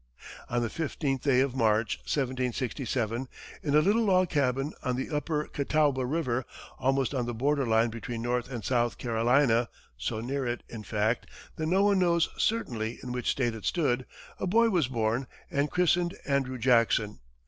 On the fifteenth day of March, 1767, in a little log cabin on the upper Catawba river, almost on the border line between North and South Carolina so near it, in fact, that no one knows certainly in which state it stood a boy was born and christened Andrew Jackson.